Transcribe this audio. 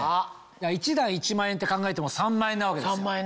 １段１万円って考えても３万円なわけですよ。